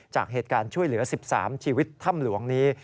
จากเหตุการณ์ช่วยเหลือ๑๓ชีวิตถ้ำหลวงนี้